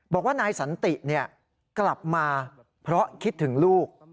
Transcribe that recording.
บอกว่านายสันติกลับมาเพราะคิดถึงลูก